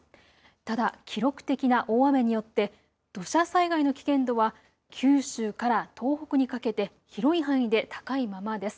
ただ、記録的な大雨によって土砂災害の危険度は九州から東北にかけて広い範囲で高いままです。